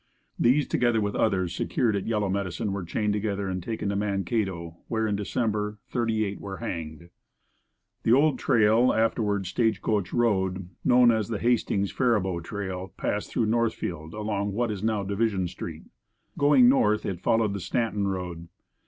These, together with others secured at Yellow Medicine were chained together and taken to Mankato, where, in December, thirty eight were hanged. The Old Trail afterward Stage Coach road, known as the Hastings Faribault Trail, passed through Northfield along what is now Division Street. Going north it followed the Stanton road.